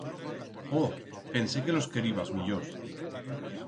Oh, pensé que los queribas millors.